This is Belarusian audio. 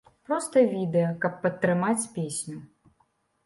Проста відэа, каб падтрымаць песню.